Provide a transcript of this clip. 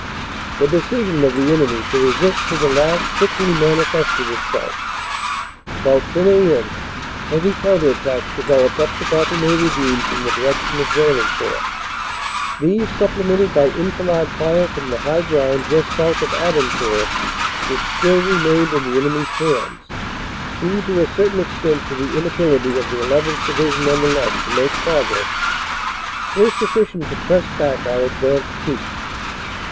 "The decision of the enemy to resist to the last quickly manifested itself. About 10 a.m. heavy counter attacks developed up the Bantigny Ravine from the direction of Pail lencourt. These, supplemented by enfilade fire from the high ground just south of Abancourt, which still remained in the enemy s hands, due to a certain extent to the inability of the llth. Division on the left to make progress, were sufficient to press back our advanced troops.